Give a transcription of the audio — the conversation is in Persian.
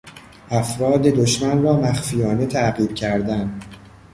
افراد دشمن را مخفیانه تعقیب کردن